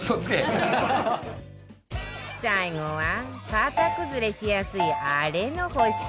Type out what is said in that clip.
最後は型崩れしやすいあれの干し方